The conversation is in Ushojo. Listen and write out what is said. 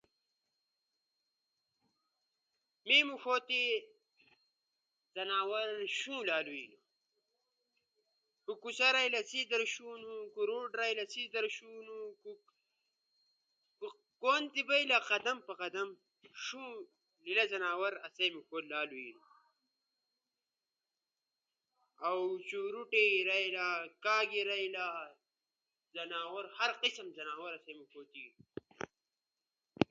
می موݜو تی زناور شُوں لالو اینو، خو کوچر لائی سیس در شوں ہنو، روڈ رئیلا سیس در شوں ہنو۔ خو قدم تی بئیلا شوں ایلا زناور آسو تی مومو تی لالو اینو۔ کھون تی بئینا موݜو تی شُوں آسو تی لالو اینو۔ اؤ شوروٹی رئیلا، کاگ رئیلا، ہر قسم زناور آسو موݜو تی اینو۔